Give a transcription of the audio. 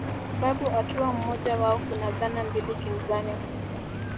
Babu akiwa mmoja wao Kuna dhana mbili kinzani